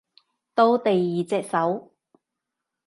到第二隻手